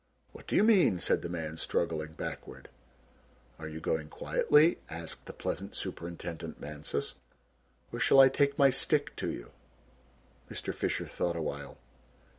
"What do you mean?" said the man, struggling backward. "Are you going quietly!" asked the pleasant Superintendent Mansus, "or shall I take my stick to you'?" Mr. Fisher thought awhile.